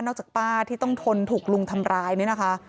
จากป้าที่ต้องทนถูกลุงทำร้ายเนี่ยนะคะ